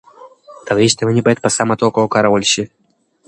طبیعي شتمنۍ باید په سمه توګه وکارول شي